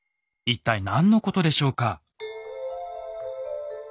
一体何のことでしょうか？